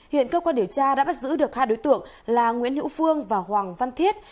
hiện cơ quan điều tra đã bắt giữ được hai đối tượng là nguyễn hữu phương và hoàng văn thiết